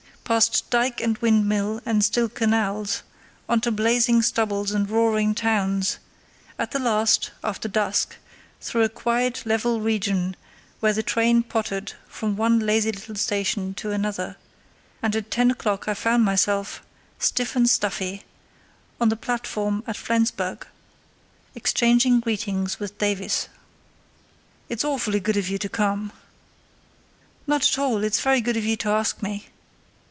Past dyke and windmill and still canals, on to blazing stubbles and roaring towns; at the last, after dusk, through a quiet level region where the train pottered from one lazy little station to another, and at ten o'clock I found myself, stiff and stuffy, on the platform at Flensburg, exchanging greetings with Davies. "It's awfully good of you to come." "Not at all; it's very good of you to ask me."